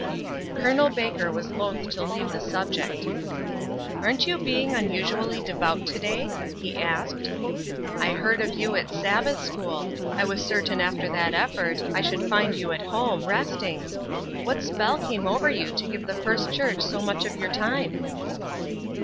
Col. Baker was loth to leave the subject: "Aren't you being unusually devout to day?" he asked. "I heard of you at Sabbath school I was certain after that effort, I should find you at home, resting. What spell came over you to give the First Church so much of your time?"